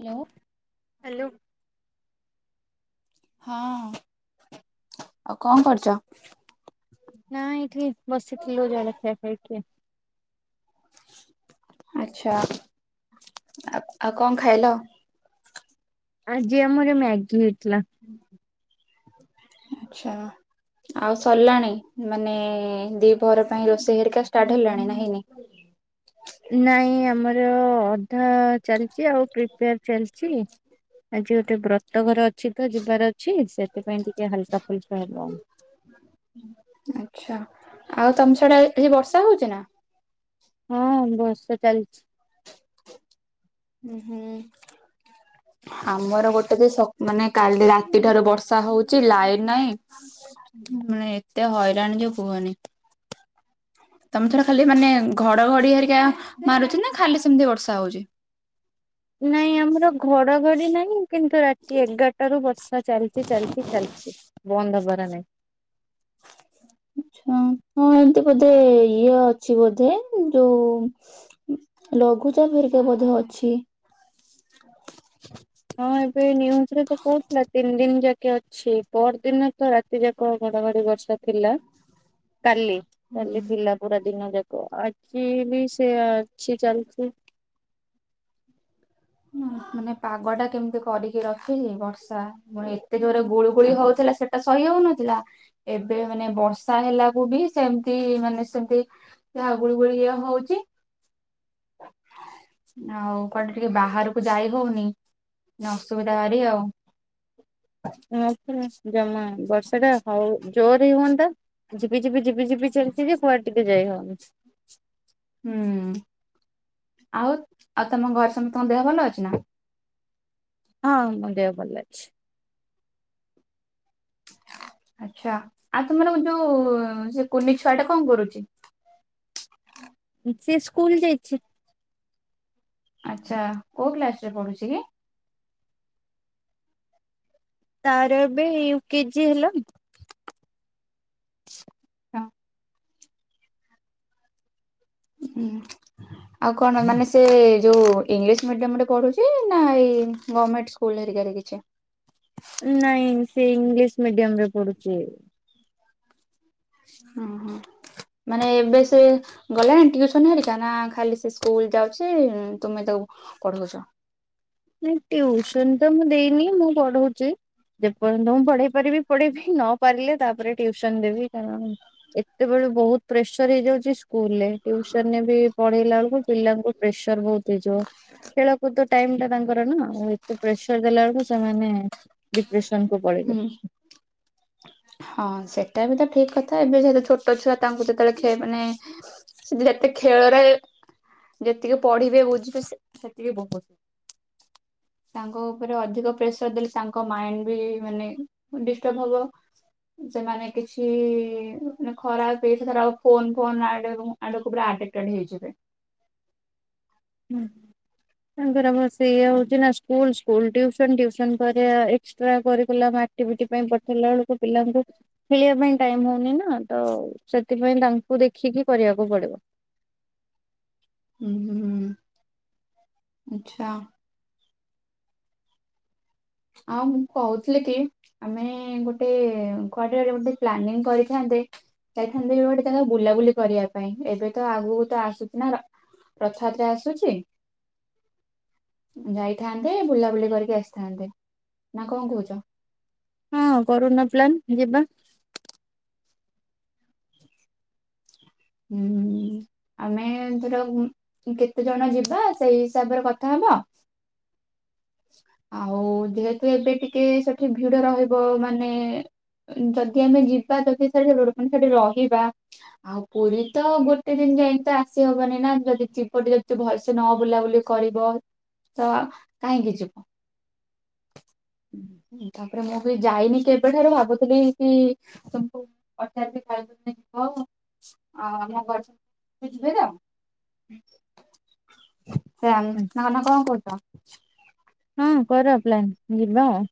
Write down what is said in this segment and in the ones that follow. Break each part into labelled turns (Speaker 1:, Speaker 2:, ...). Speaker 1: Hello.
Speaker 2: Hello
Speaker 1: ହଁ ଆଉ କଣ କରୁଛ?
Speaker 2: ନା ଏଠି ବସିଥିଲୁ ଜଣେ ଖାଇ ପିଇକି
Speaker 1: ଆଛା ଆଉ କଣ ଖାଇଲ?
Speaker 2: ଆଜି ଆମର ମ୍ୟାଗି ହେଇ
Speaker 1: ଆଚ୍ଛା। ଆଉ ସରିଲାଣି ମାନେ ଦିପହର ପାଇଁ ରୋଷେଇ ହେରିକା ଷ୍ଟାର୍ଟ ହେଲାଣି ନା ହେଇନି? [inaudible]
Speaker 2: ନାଇଁ ଆମର ଅଧା ଚାଲିଛି ଆଉ ପ୍ରିପେୟାର ଚାଲିଛି ଆଜି ଗୋଟେ ବ୍ରତ ଘର ଅଛି ତ ଯିବାର ଅଛି ସେଥିପାଇଁ ଟିକେ ହାଲକା ଫୁଲ କା ହବ ଆଉ।
Speaker 1: ଆଚ୍ଛା ଆଉ ତମ ଛଡା ଏ ବର୍ଷା ହଉଛି ନା?
Speaker 2: ହଁ ବର୍ଷା ଚାଲିଛି।
Speaker 1: ଉଁ ହୁଁ। ଆମର ଗୋଟେ ଯେ ସ ମାନେ କାଲି ରାତିଠାରୁ ବର୍ଷା ହଉଛି ଲାଇନ ନାଇଁ। ମାନେ ଏତେ ହଇରାଣ ଯେ କୁହନି ତମେ ଥର ଖାଲି ମାନେ ଘଡ ଘଡି ହେରିକା ମାରୁଛି ନା ଖାଲି ସେମିତି ବର୍ଷା ହଉଛି।
Speaker 2: ନାଇଁ ଆମର ଘଡଘଡି ନାହିଁ କିନ୍ତୁ ରାତି ଏଗାରଟା ରୁ ବର୍ଷା ଚାଲିଚ ଚାଲିଚ ଚାଲିଛି। ବନ୍ଦ ହବାର ନାହିଁ।
Speaker 1: ଆଛା। ହଁ ଏମିତି ବୋଧେ ଇଏ ଅଛି ବୋଧେ ଯୋଉ ଲଘୁ ଲଘୁଚାପ ହେରିକା ବଧେ ଅଛି।
Speaker 2: ହଁ ଏବେ ନ୍ୟୁଜରେ ତ କହୁଥିଲା ତିନି ଦିନ ଯାକେ ଅଛି ପର ଦିନ ତ ରାତି ଯାକ ବର ଆହୁରି ବର୍ଷା ଥିଲା।
Speaker 1: [inaudible]
Speaker 2: କାଲି କାଲି
Speaker 1: ହୁଁ
Speaker 2: ଥିଲା ପୁରା ଦିନ ଯାକ ଆଜି ବି ସେୟା ଅଛି ଚାଲଛି
Speaker 1: ମାନେ ପାଗ ଟା କେମିତି କରିକି ରଖିଛି ବର୍ଷା ପୁଣି ଏତେ ଜୋରେ ଗୁଳିୁ ଗୁଳି ହଉଥିଲା ସେଟା ସହି ହଉନଥିଲା ଏବେ ମାନେ ବର୍ଷା ହେଲାକୁ ବି ସେମିତି ମାନେ ସେମତି ଗୁଳଗୁଳିଆ ହଉଛି ଆଉ। ବାହାରକୁ ଯାଇ ହଉନି ଅସୁବିଧା ଭାରି ଆଉ।
Speaker 2: ଜମା ବର୍ଷା ଟା ହଉ ଜୋର ରେ ହୁଅନ୍ତା ଝିିପି ଝିିପି ଝିପି ଝିପି ଚାଲିଛି ଯେ କୁଆଡେ ଟିକେ ଯାଇହଉନି।
Speaker 1: ହୁଁ ଆଉ ଆଉ ତମ ଘରେ ସମତଙ୍କ ଦେହ ଭଲ ଅଛି ନା?
Speaker 2: ହଁ ମ ଦେହ ଭଲ ଅଛି।
Speaker 1: ଆଚ୍ଛା ଆଉ ତମର ଯୋଉ ସେ କୁନି ଛୁଆ ଟା କଣ କରୁଛି?
Speaker 2: ସେ ସ୍କୁଲ ଯାଇଛି।
Speaker 1: ଆଛା କୋଉ କ୍ଲାସ ରେ ପଢୁଛି କି?
Speaker 2: ତାର ଏବେ ୟୁ କେଜି ହେଲାମ
Speaker 1: ହଁ। ଆଉ କଣ ମାନେ ସେ ଯୋଉ ଇଂଲିଶ ମିଡିୟମରେ ପଢୁଛି ନା ଏଇ ଗମେଣ୍ଟ ସ୍କୁଲ ହେରିକା ରେ କିଛି।
Speaker 2: ନାଇଁ ସେ ଇଂଲିଶ ମିଡିୟମ ରେ ପଢୁଛି।
Speaker 1: ହଁ ହ। ମାନେ ଏବେ ସେ ଗଲାଣି ଟିଉସନ ହେରିକା ନା ଖାଲି ସେ ସ୍କୁଲ ଯାଉଛି, ତୁମେ ତାକୁ ପଢ଼ଉଛ?
Speaker 2: ନାଇଁ ଟ୍ୟୁସନ ତ ମୁଁ ଦେଇନି ମୁଁ ପଢଉଛି। ଯେପର୍ଯ୍ୟନ୍ତ ମୁଁ ପଢେଇ ପାରିବି ପଢେଇବି ନ ପାରିଲେ ତାପରେ ଟିଉସନ ଦେବି କାରଣ ଏତେ ବ ବହୁତ ପ୍ରେସର ହେଇଯାଉଛି ସ୍କୁଲ ରେ ଟିଉସନ ରେ ବି ପଢେଇଲା ବେଳକୁ ପିଲାଙ୍କୁ ପ୍ରେସର ବହୁତ ହେଇ ଯିବ, ଖେଳକୁଦ ଟାଇମ ଟା ତାଙ୍କର ନା ଆଉ ଏତେ ପ୍ରେସର ଦେଲା ବେଳକୁ ସେମାନେ ଡିପ୍ରେସନକୁ ପଳେଇବେ।
Speaker 1: ହୁଁ ହଁ ସେଟା ବି ତ ଠିକ କଥା ଏବେ ଯେହେତୁ ଛୋଟ ଛୁଆ ତାଙ୍କୁ ଯେତେବେଳେ ଖିଆ ମାନେ ସେ ଯେତେ ଖେଳରେ ଯେତିକି ପଢିବେ ବୁଝିବେ ସେ-ସେତିକି ବହୁତ ତାଙ୍କ ଉପରେ ଅଧିକ ପ୍ରେସର ଦେଲେ ତାଙ୍କ ମାଇଣ୍ଡ ବି ମାନେ ଡିଷ୍ଟର୍ବ ହବ। ସେମାନେ କିଛି ମାନେ ଖରାପ ସେଥିରେ ଆଉ ଫୋନ ଫୋନ୍ ଆଡ-ଆଡକୁ ପୁରା ଆଡ଼ିକ୍ଟେଡ ହେଇଯିବେ।
Speaker 2: ହୁଁ। ତାଙ୍କର ବା ସେୟା ହଉଚିନା ସ୍କୁଲ୍, ସ୍କୁଲ୍ ଟିଉସନ୍, ଟିଉସନ୍ ପରେ ଏକ୍ସଟ୍ରା କରିକୁଲାର ଆ ଆକ୍ଟିଭିଟି ପାଇଁ ପଠେଇଲା ବେଳକୁ ପିଲାଙ୍କୁ ଖେଳିବା ପାଇଁ ଟାଇମ ହଉନି ନା ତ ସେଥିପାଇଁ ତା ବୁ ଦେଖିକି କରିବାକୁ ପଡିବ।
Speaker 1: ହୁଁ ହୁଁ ଆଚ୍ଛା। ଆଉ ମୁଁ କହୁଥିଲି କି ଆମେ ଗୋଟେ କୁଆଡେ ଗୋଟେ ପ୍ଲାନିଂ କରିଥାନ୍ ଯାଇଥାନ୍ତେ ଗୋଟେ ଜାଗାକୁ ବୁଲାବୁଲି କରିବା ପାଇଁ, ଏବେ ତ ଆଗକୁ ତ ଆସୁଛି ନା ର ରଥଯାତ୍ରା ଆସୁଛି? ଯାଇଥାନ୍ତେ ବୁଲାବୁଲି କରିକି ଆସିଥାନ୍ତେ, ନା କଣ କହୁଛ?
Speaker 2: ହଁ କରୁନା ପ୍ଲାନ୍ ଯିବା।
Speaker 1: ହୁଁ। ଆମେ ଧର କେତେ ଜଣ ଯିବା ସେଇ ହିସାବରେ କଥା ହବ। ହୁଁ ଆଉ ଯେହେତୁ ଏବେ ଟିକେ ସେଠି ଭିଡ ରହିବ ମାନେ ଯଦି ଆମେ ଯିବା ଯଦି ସେଠି ର-ର ମାନେ ସେଠି ରହିବା, ଆଉ ପୁରୀ ତ ଗୋଟେ ଦିନ ଜାଇଙ୍କି ତ ଆସି ହବନି ନା ଯଦି ଚିପଟ ଯଦି ଭଲସେ ନ ବୁଲାବୁଲି କରିବ ତ କାହିଁକି ଯିବ? ହୁଁ ତାପରେ ମୁଁ ବି ଯାଇନି କେବେଠାରୁ ଭାବୁଥିଲି କି ତମକୁ ପଚାରିବି କହିବି। ଯିବ, ଆଉ ତମ ଘରେ ସମସ୍ତେ ଯିବେ ତ? ସେମ ନା ନା କଣ କହୁଛ?
Speaker 2: ହଁ କର ପ୍ଲାନ୍ ଯିବା ଆଉ।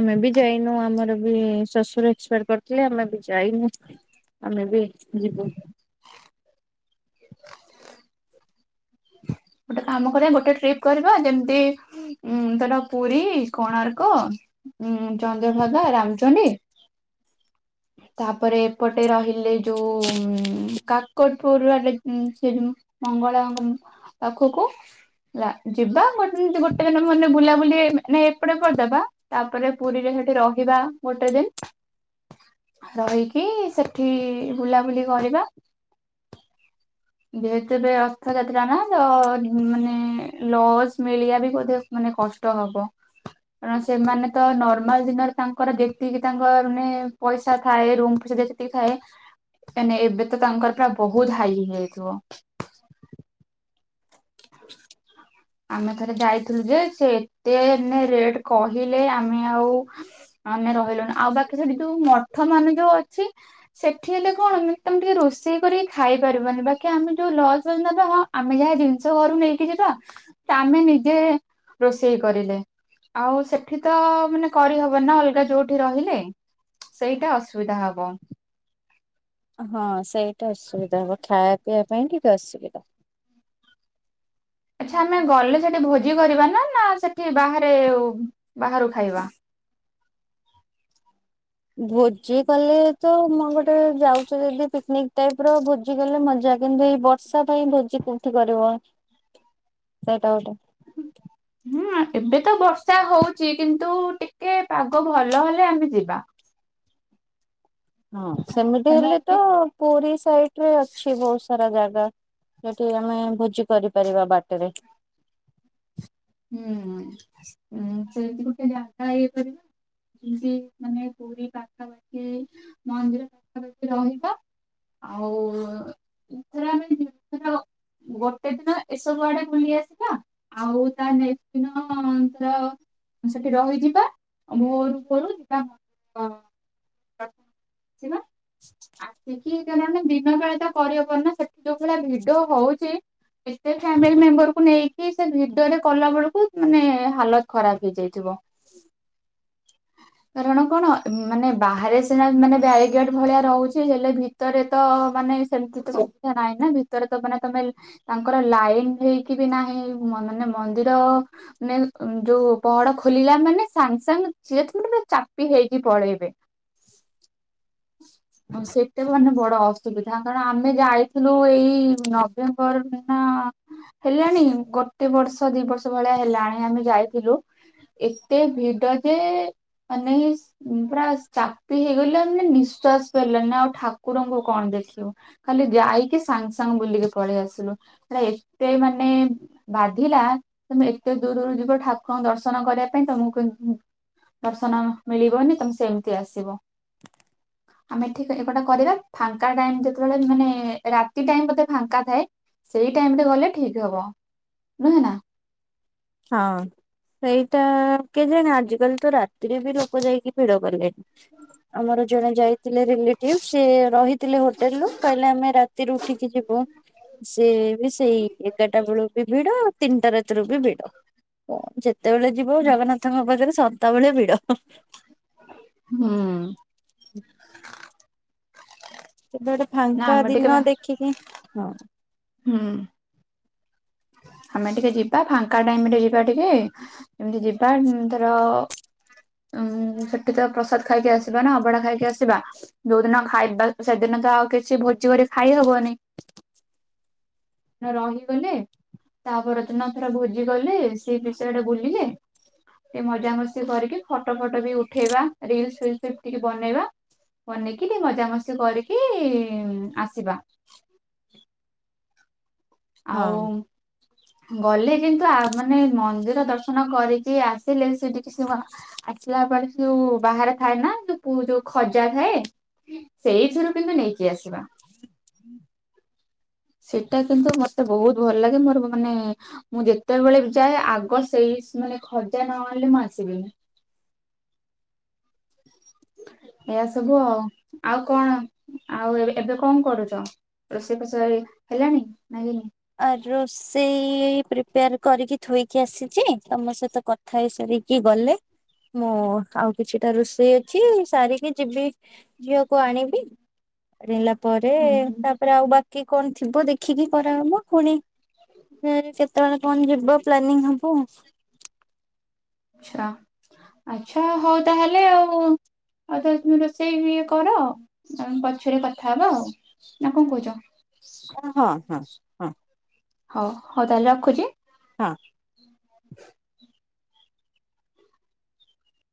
Speaker 2: ଆମେ ବି ଯାଇନୁ ଆମର ବି ଶଶୁର ଏକ୍ସପାର କରିଥିଲେ ଆମେ ବି ଯାଇନୁ। ଆମେ ବି ଯିବୁ।
Speaker 1: ହଁ ଗୋଟେ କାମ କରିବା ଗୋଟେ ଟ୍ରିପ୍ କରିବା ଯେମିତି ଉ ଧର ପୁରୀ, କୋଣାର୍କ ଉଁ ଚନ୍ଦ୍ରଭାଗା, ରାମଚଣ୍ଡୀ ତାପରେ ଏପଟେ ରହିଲେ ଯୋଉ କାକ କଟପୁର ଆଡେ ସେ ମଙ୍ଗଳାଙ୍କ ପାଖକୁ ହେଲା ଯିବା ଗୋଟେ ଦିନ ଗୋଟେ ଦିନ ମାନେ ବୁଲାବୁଲି ମାନେ ଏପଟେ କରିଦେବା ତାପରେ ପୁରୀରେ ସେଠି ରହିବା ଗୋଟେ ଦିନ। ରହିକି ସେଠି ବୁଲାବୁଲି କରିବା। ଯେହେତୁ ଏବେ ରଥଯାତ୍ରା ନା ତ ମାନେ ଲସ୍ ମିଳିବା ବି ବୋଧେ ମାନେ କଷ୍ଟ ହବ କାରଣ ସେମାନେ ତ ନର୍ମାଲ ଦିନରେ ତାଙ୍କର ଯେତିକି ତାଙ୍କର ମାନେ ପଇସା ଥାଏ ରୁମ ଫଇସା ଯଦି ସେତିକି ଥାଏ ମେ ଏବେ ତ ତାଙ୍କର ପ୍ରା ବହୁତ ହାଇ ହେଇଥିବ [inaudible] ଆମେ ଥରେ ଯାଇଥିଲୁ ଯେ ସେ ଏତେ ରେଟ କହିଲେ ଆମେ ଆଉ ଆମେ ରହିଲୁଣି ଆଉ ବାକି ସେଠି ଯୋଉ ମଠ ମାନେ ଯୋଉ ଅ ସେଠି ହେଲେ କଣ ତମେ ଟିକେ ରୋଷେଇ କରି ଖାଇପାରିବନି ବାକି ଆମେ ଯୋଉ ଲଜ ନବା ତ ଆମେ ଯାହା ଜିନିଷ ଘରୁ ନେଇକି ଯିବା ତା ଆମେ ନିଜେ ରୋଷେଇ କରିଲେ ଆଉ ସେଠି ତ ମାନେ କରିହବ ନା ଅଲଗା ଯୋଉଠି ରହିଲେ ସେଇଟା ଅସୁବିଧା ହବ
Speaker 2: ହଁ ସେଇଟା ଅସୁବିଧା ହବ ଖାଇବା ପିଇବା ପାଇଁ ଟିକେ ଅସୁବିଧା।
Speaker 1: ଆଚ୍ଛା ଆମେ ଗଲେ ସେଠି ଭୋଜି କରିବା ନା ନା ସେଠି ବାହାରେ ବାହାରୁ ଖାଇବା। [inaudible]
Speaker 2: ଭୋଜି କଲେ ତ ମୁଁ ଗୋଟେ ଯାଉଛ ଯଦି ପିକନିକ ଟାଇପ ର ଭୋଜି କଲେ ମଜା କିନ୍ତୁ ଏଇ ବର୍ଷା ପାଇଁ ଭୋଜି କୋଉଠି କରିବ?
Speaker 1: [inaudible]
Speaker 2: ସେଟା ଗୋଟେ
Speaker 1: ହୁଁ ଏବେ ତ ବର୍ଷା ହଉଛି କିନ୍ତୁ ଟିକେ ପାଗ ଭଲ ହେଲେ ଆମେ ଯିବା। [inaudible]
Speaker 2: ହଁ ସେମିତି ହେଲେ ତ ପୁରୀ ସାଇଡ ରେ ଅଛି ବହୁତ ସାରା ଜାଗା। ସେଠି ଆମେ ଭୋଜି କରିପାରିବା ବାଟରେ।
Speaker 1: ହୁଁ ସେଇଠି ଗୋଟେ ଜାଗା ୟେ କରି ଯେମତି ମାନେ ପୁରୀ ପାଖାପାଖି ମନ୍ଦିର ପାଖାପାଖି ରହିବା। ଆଉ ଏଥର ଆମେ [unintelligible] ଗୋଟେ ଦିନ ଏସବୁ ଆଡେ ବୁଲି ଆସିବା ଆଉ ତା ନେକ୍ସ ଦିନ ର ସେଠି ରହିଯିବା ଭୋରୁ ଭୋରୁ ଯିବା ହଁ। ଶିବା ଆସିକିଣ ଦିନ ବେଳେ ତ କରିବା ପନା ସେଠି ଯୋଉ ଭଳିଆ ଭିଡ ହଉଛି। ଫାମିଲି ମେମ୍ବରକୁୁ ନେଇକି ସେ ଭିଡ଼ରେ କଲା ବେଳକୁ ମାନେ ହାଲତ ଖରାପ ହେଇଯାଇଥିବ। କାରଣ କଣ ମାନେ ବାହାରେ ସିନା ମାନେ ବ୍ୟାଡିଗାଡ ଭଳିଆ ରହୁଛି ହେଲେ ଭିତରେ ତ ମାନେ ସେମିତି ସୁବିଧା ନାହିଁ ନା ଭିତରେ ତ ମାନେ ତମେ ତାଙ୍କର ଲାଇନ ହେଇକି ବି ନାହିଁ ମ ମାନେ ମନ୍ଦିର ମାନେ ଯୋଉ ପହଡ ଖୋଲିଲା ମାନେ ସାଙ୍ଗେ ସାଙ୍ଗେ ଯିଏ ଥିବ ମାନେ ଚାପି ହେଇ ହେଇକି ପଳେଇବେ। ସେତେ ମାନେ ବଡ ଅସୁବିଧା କାରଣ ଆମେ ଯାଇଥିଲୁ ଏଇ ନଭେମ୍ବର ନା ହେଲାଣି ଗୋଟେ ବର୍ଷ ଦି ବର୍ଷ ଭଳିଆ ହେଲାଣି ଆମେ ଯାଇଥିଲୁ। ଏତେ ଭିଡ ଯେ ମାନେ ଇସ ପୁରା ଚାପି ହେଇଗଲେ ମାନେ ନିଃଶ୍ଵାସ ପାରିଲାନି ଆଉ ଠାକୁରଙ୍କୁ କଣ ଦେ ଦେଖିବୁ ଖାଲି ଯାଇକି ସାଙ୍ଗ ସାଙ୍ଗ ବୁଲିକି ପଳେଇ ଆସିଲୁ ଏତେ ମାନେ ବା ଥିଲା ତମେ ଏତେ ଦୂରରୁ ଯିବ ଠାକୁରଙ୍କ ଦର୍ଶନ କରିବା ପାଇଁ ତମକୁ ଦର୍ଶନ ମିଳିବନି ତମେ ସେମିତି ଆସିବ। ଆମେ ଠିକ ଏଗଟା କରିବା ଫାଙ୍କା ଟାଇମ ଯେତେବେଳେ ମାନେ ରାତି ଟାଇମ ବଧେ ଫାଙ୍କା ଥାଏ। ସେଇ ଟାଇମ ରେ ଗଲେ ଠିକ ହବ ନୁହେଁ ନା?
Speaker 2: ହଁ। ସେଇଟା କେଜାଣି ଆଜିିକାଲି ତ ରାତିରେ ବି ଲୋକ ଯାଇକି ଭିଡ କଲେଣି। ଆମର ଜଣେ ଯାଇଥିଲେ ରିଲେଟିଭ ସେ ରହିଥିଲେ ହୋଟେଲ ରୁ କହିଲେ ଆମେ ରାତିରୁ ଉଠିକି ଯିବୁ। ସେି ବି ସେଇ ଏଗାରଟା ବେଳୁ ବି ଭିଡ ଆଉ ତିନିଟା ରାତିରୁ ବି ଭିଡ। ହ ଯେତେବେଳେ ଯିବ ଜଗନ୍ନାଥଙ୍କ ପାଖରେ ସଦାବେଳେ ଭିଡ।
Speaker 1: ହୁଁ।
Speaker 2: ସେ ଗୋଟେ
Speaker 1: ନା
Speaker 2: ଫାଙ୍କା
Speaker 1: ଆମେ ଟିକେ
Speaker 2: ଦିନ ଦେଖିକି ହଁ।
Speaker 1: ହୁଁ। [inaudible] ଆମେ ଟିକେ ଯିବା ଫାଙ୍କା ଟାଇମ ରେ ଯିବା ଟିକେ ଏମିତି ଯିବା ଧର ଉଁ ସେଠି ତ ପ୍ରସାଦ ଖାଇକି ଆସିବା ନା ଅଭଡା ଖାଇକି ଆସିବା ଯୋଉଦିନ ଖାଇବା ସେଦିନ ଆଉ କିଛି ଭୋଜି କରି ଖାଇ ହବନି ରହିଗଲେ ତାପର ଦିନ ଧର ଭୋଜି ଗଲେ ସେ ବିଷୟଟେ ବୁଲିଲେ ଟିକେ ମଜାମସ୍ତି କରିକି ଫଟୋ ଫଟୋ ବି ଉଠେଇବା ରିଲସ ଫିଲସ ଫି ଟିକେ ବନେଇବା। ବନେଇକି ଟିକେ ମଜା ମସ୍ତି କରିକି ଆସିବା। ଆଉ ଗଲେ କିନ୍ତୁ ଆ ମାନେ ମନ୍ଦିର ଦର୍ଶନ କରିକି ଆସିଲେ ବି ସେଠିକି ସେ ଆସିଲା ଯୋଉ ବାହାରେ ଥାଏ ନା ଯୋ ଯୋଉ ଖଜା ଥାଏ ସେଇଥିରୁ କିନ୍ତୁ ନେଇକି ଆସ ବା। ସେଇଟା କିନ୍ତୁ ମତେ ବହୁତ ଭଲ ଲାଗେ ମୋର ମାନେ ମୁଁ ଯେତେବେଳେ ଯାଏ ଆଗ ସେଇ ମାନେ ଖର୍ଜା ନ ଆଣିଲେ ମୁଁ ଆସିବିନି। ଏ ସବୁ ଆଉ ଆଉ କଣ ଆଉ ଏବେ କଣ କରୁଛ? ରୋଷେଇ ପ୍ରଷ ହେଲାଣି? ନା ହେଇନି?
Speaker 2: ଆ ରୋଷେଇ ପ୍ରିପେୟାର କରିକି ଥୋଇକି ଆସିଛି ତମ ସହିତ କଥା ହେଇସାରିକି ଗଲେ ମୁଁ ଆଉ କିଛିଟା ରୋଷେଇ ଅଛି ସାରିକି ଯିବି ଝିଅକୁ ଆଣିବି। ହେଲା ପରେ
Speaker 1: ହୁଁ ହୁଁ
Speaker 2: ତାପରେ ଆଉ ବାକି କଣ ଥିବ ଦେଖିକି କରାହବ। ପୁଣି କେତେବେଳେ କଣ ଯିବ ପ୍ଲାନିଂ ହବ। [inaudible]
Speaker 1: ଆଚ୍ଛା ଆଚ୍ଛା ହଉ ତାହେଲେ ଆଉ ଆଉ ତାହେଲେ ତମେ ରୋଷେଇ ଇଏ କର ପଛରେ କଥା ହବା ଆଉ ଆ କଣ କହୁଛ।
Speaker 2: ଓ ହଁ ହଁ ହଁ।
Speaker 1: ହଉ ହଉ ତାହେଲେ ରଖୁଛି।
Speaker 2: ହଁ।